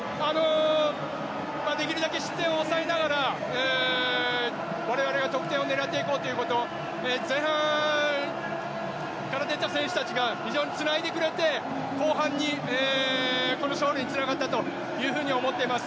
できるだけ失点を抑えながら、我々は得点を狙っていこうということ、前半から出た選手たちが非常につないでくれて後半に、この勝利につながったと思っています。